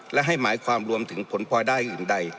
และให้หมายความรวมถึงผลพลอยได้อื่นใด